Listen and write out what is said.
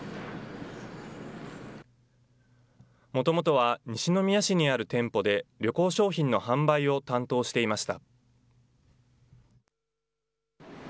もともとは西宮市にある店舗で、旅行商品の販売を担当していました。